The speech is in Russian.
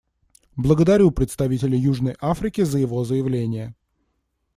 Благодарю представителя Южной Африки за его заявление.